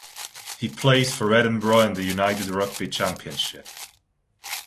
He plays for Edinburgh in the United Rugby Championship.